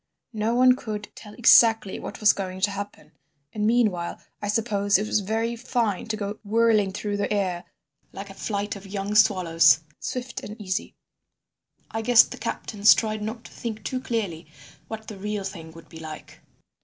No one could tell exactly what was going to happen. And meanwhile I suppose it was very fine to go whirling through the air like a flight of young swallows, swift and easy. I guess the captains tried not to think too clearly what the real thing would be like.